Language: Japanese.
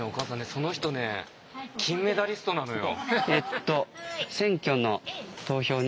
その人ね金メダリストなのよ。